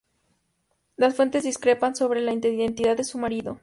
Las fuentes discrepan sobre la identidad de su marido.